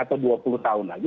atau dua puluh tahun lagi